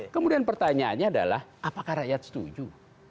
kemudian pertanyaannya adalah apakah rakyat setuju